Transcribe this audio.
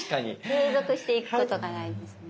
継続していくことが大事ですね。